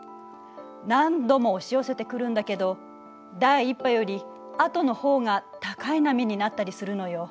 何度も押し寄せてくるんだけど第１波より後の方が高い波になったりするのよ。